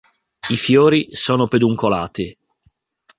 I fiori sono peduncolati.